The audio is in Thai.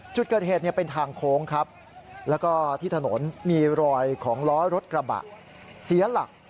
จุดเกิดเหตุเป็นทางโค้งครับแล้วก็ที่ถนนมีรอยของล้อรถกระบะเสียหลัก